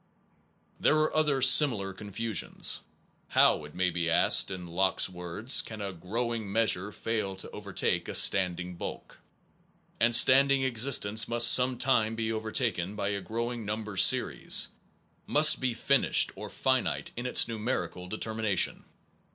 There are other similar confusions. How/ it may be asked, in Locke s words, can a growing measure fail to overtake a standing bulk ? And standing existence must some time be overtaken by a growing number series, must be finished or finite in its numerical determination.